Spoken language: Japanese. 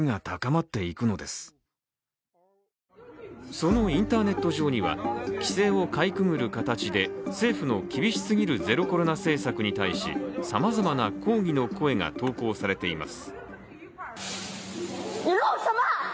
そのインターネット上には、規制をかいくぐる形で政府の厳しすぎるゼロコロナ政策に対し、さまざまな抗議の声が投稿されています。